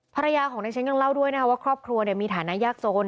ภรรยาของนักชั้นยังเล่าด้วยนะครับว่าครอบครัวเนี่ยมีฐานะยากโทรล